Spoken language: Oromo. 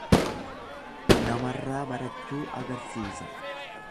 Namarraa barachuu agarsiisa.